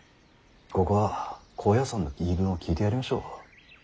ここは高野山の言い分を聞いてやりましょう。